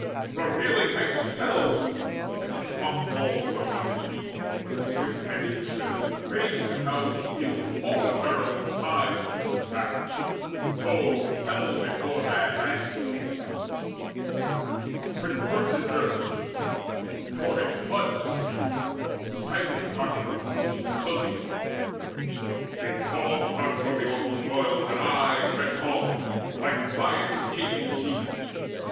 The reeling ranks Fell, as the swath falls in the harvest heat, When the swift handed reapers, ranged adown The field's long furrows, ply the sickle fast; So fell before their hands ranks numberless: With corpses earth was heaped, with torrent blood Was streaming: Strife incarnate o'er the slain Gloated. They paused not from the awful toil, But aye pressed on, like lions chasing sheep.